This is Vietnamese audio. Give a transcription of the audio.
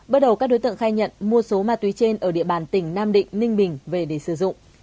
bước đầu các đối tượng khai nhận mua số ma túy trên ở địa bàn tỉnh nam định ninh bình về để sử dụng